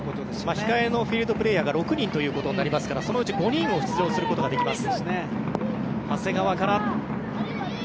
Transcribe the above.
控えのフィールドプレーヤーが６人になりますからそのうち５人は出場することができます。